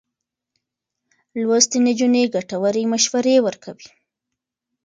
لوستې نجونې ګټورې مشورې ورکوي.